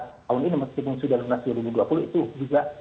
tahun ini meskipun sudah lunas dua ribu dua puluh itu juga